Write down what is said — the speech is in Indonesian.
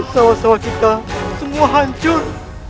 sawa sawa kita semua hancur